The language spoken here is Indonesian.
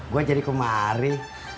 gua jadi kemari